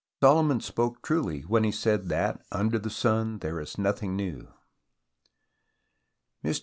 Solomon spoke truly when he said that under the sun there is nothing new. Mr.